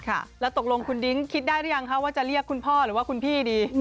แล้วตกลงคุณดิ้งคิดได้หรือยังคะว่าจะเรียกคุณพ่อหรือว่าคุณพี่ดี